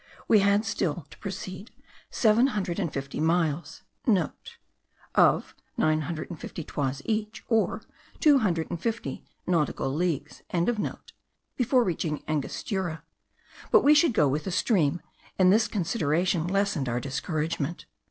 We had still to proceed seven hundred and fifty miles* (* Of nine hundred and fifty toises each, or two hundred and fifty nautical leagues.) before reaching Angostura, but we should go with the stream; and this consideration lessened our discouragement.